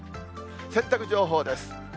洗濯情報です。